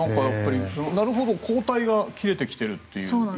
なるほど抗体が切れてきているという。